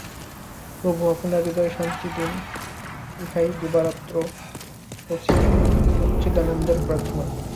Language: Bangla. প্রভু আপনার হৃদয়ে শান্তি দিন, ইহাই দিবারাত্র সচ্চিদানন্দের প্রার্থনা।